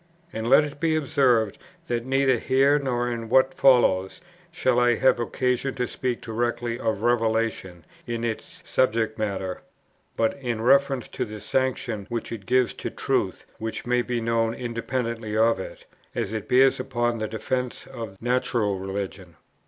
And let it be observed that, neither here nor in what follows, shall I have occasion to speak directly of Revelation in its subject matter, but in reference to the sanction which it gives to truths which may be known independently of it, as it bears upon the defence of natural religion.